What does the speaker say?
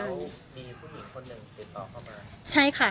แล้วมีผู้หญิงคนหนึ่งติดต่อเข้ามาใช่ค่ะ